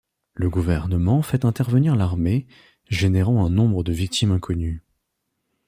Le gouvernement fait intervenir l'armée, générant un nombre de victimes inconnu.